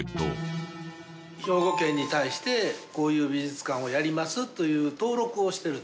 兵庫県に対してこういう美術館をやりますという登録をしてるんですね。